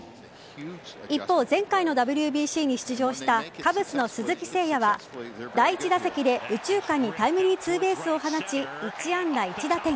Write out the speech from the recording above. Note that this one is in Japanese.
一方、前回のＷＢＣに出場したカブスの鈴木誠也は第１打席で右中間にタイムリーツーベースを放ち１安打１打点。